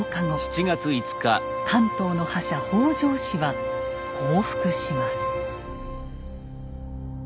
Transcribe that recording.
関東の覇者北条氏は降伏します。